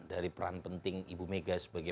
dari peran penting ibu mega sebagai